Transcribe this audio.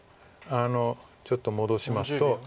ちょっと戻しますと。